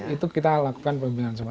itu kita lakukan pembinaan sama